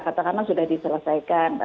katakanlah sudah diselesaikan